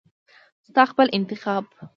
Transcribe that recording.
ستا خپل انتخاب .